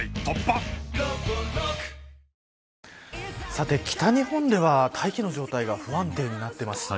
さて、北日本では大気の状態が不安定になっています。